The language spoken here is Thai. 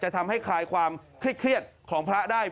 ทำให้คลายความเครียดของพระได้